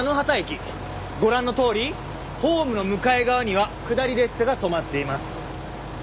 ご覧のとおりホームの向かい側には下り列車が止まっています。